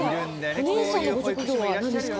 お姉さんのご職業は何ですか？